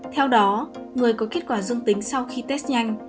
theo đó người có kết quả dương tính sau khi test nhanh